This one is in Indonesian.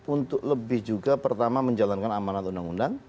untuk lebih juga pertama menjalankan amanat undang undang